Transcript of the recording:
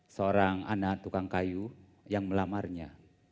seorang anak tukang kayu yang melamarnya